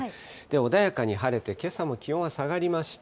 穏やかに晴れて、けさも気温は下がりました。